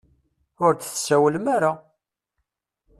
Ur d-tsawlem ara.